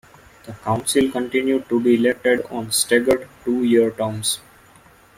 The council continued to be elected on staggered two-year terms.